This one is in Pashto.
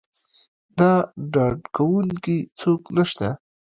د ډاډکوونکي څوک نه شته.